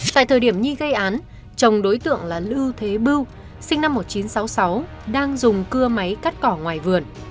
tại thời điểm nghi gây án chồng đối tượng là lưu thế bưu sinh năm một nghìn chín trăm sáu mươi sáu đang dùng cưa máy cắt cỏ ngoài vườn